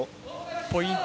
ポイント